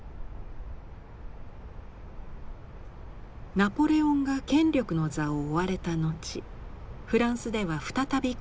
ナポレオンが権力の座を追われた後フランスでは再び国王が即位。